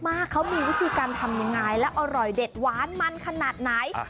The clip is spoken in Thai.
มากเขามีวิธีการทำยังไงและอร่อยเด็ดหวานมันขนาดไหน